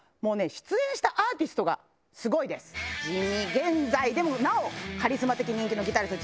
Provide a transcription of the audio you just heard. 現在でもなおカリスマ的人気のギタリスト。